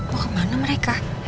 mau kemana mereka